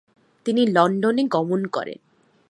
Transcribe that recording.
তিনি লন্ডনে গমন করেন।